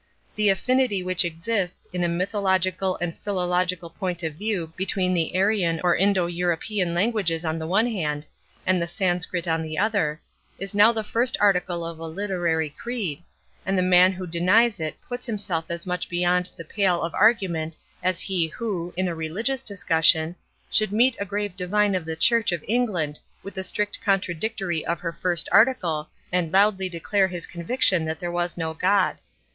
The affinity which exists in a mythological and philological point of view between the Aryan or Indo European languages on the one hand, and the Sanscrit on the other, is now the first article of a literary creed, and the man who denies it puts himself as much beyond the pale of argument as he who, in a religious discussion, should meet a grave divine of the Church of England with the strict contradictory of her first article, and loudly declare his conviction, that there was no God.